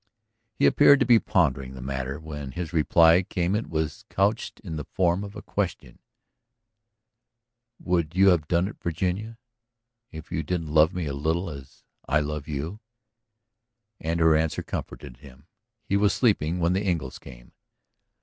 He appeared to be pondering the matter. When his reply came it was couched in the form of a question: "Would you have done it, Virginia ... if you didn't love me a little as I love you?" And her answer comforted him. He was sleeping when the Engles came.